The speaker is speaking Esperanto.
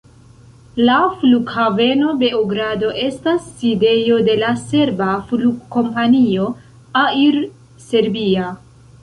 La Flughaveno Beogrado estas sidejo de la serba flugkompanio, Air Serbia.